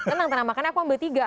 tenang makanya aku ambil tiga